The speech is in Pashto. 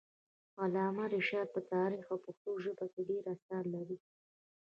علامه رشاد په تاریخ او پښتو ژبه کي ډير اثار لري.